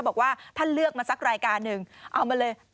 บอกว่าท่านเลือกมาสักรายการหนึ่งเอามาเลย